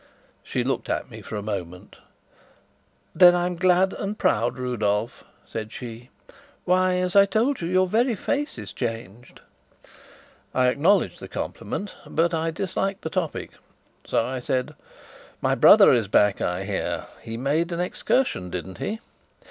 She looked at me for a moment. "Then I'm glad and proud, Rudolf," said she. "Why, as I told you, your very face is changed." I acknowledged the compliment, but I disliked the topic; so I said: "My brother is back, I hear. He made an excursion, didn't he?"